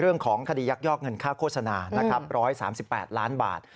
เรื่องของคดียักยอกเงินค่าโฆษณานะครับ๑๓๘ล้านบาท